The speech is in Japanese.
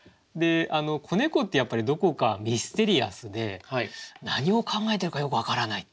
子猫ってやっぱりどこかミステリアスで何を考えているかよく分からないって。